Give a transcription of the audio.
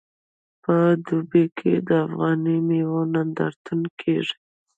په دوبۍ کې د افغاني میوو نندارتون کیږي.